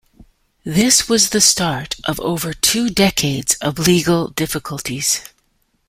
This was the start of over two decades of legal difficulties.